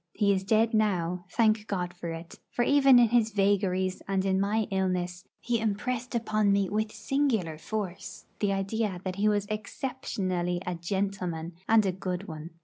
He is dead now, thank God for it; for even in his vagaries and in my illness he impressed upon me with singular force the idea that he was exceptionally a 'gentleman,' and a good one.